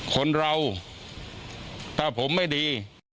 คนเราถ้าผมไม่ดี